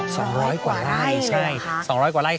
สองร้อยกว่าไร่ใช่ค่ะสองร้อยกว่าไร่